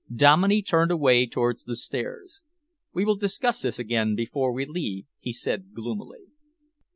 Dominey turned away towards the stairs. "We will discuss this again before we leave," he said gloomily.